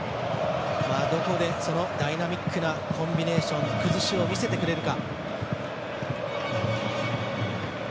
どこで、そのダイナミックなコンビネーション崩しを見せてくれるか。